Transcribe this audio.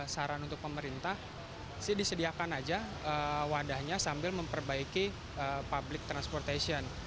saran untuk pemerintah sih disediakan aja wadahnya sambil memperbaiki public transportation